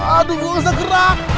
aduh gue usah gerak